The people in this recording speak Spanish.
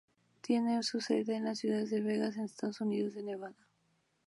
Tiene su sede en la ciudad de Las Vegas, en el estado de Nevada.